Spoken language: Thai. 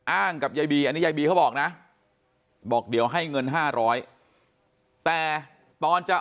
กับยายบีอันนี้ยายบีเขาบอกนะบอกเดี๋ยวให้เงิน๕๐๐แต่ตอนจะ